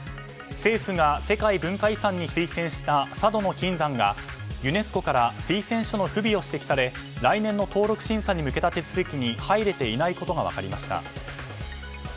政府が世界文化遺産に推薦した佐渡島の金山が、ユネスコから推薦書の不備を指摘され来年の登録審査に向けた手続きに入れていないことが分かりました。